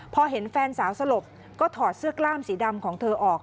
พอเห็นแฟนสาวสลบก็ถอดเสื้อกล้ามสีดำของเธอออก